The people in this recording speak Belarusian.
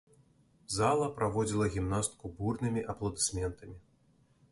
Зала праводзіла гімнастку бурнымі апладысментамі.